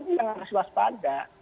ini yang harus waspada